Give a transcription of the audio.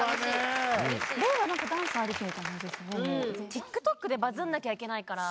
ＴｉｋＴｏｋでバズんなきゃいけないから。